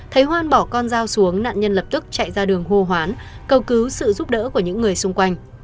thấy hoan bỏ con dao xuống nạn nhân lập tức chạy ra đường hô hoán cầu cứu sự giúp đỡ của những người xung quanh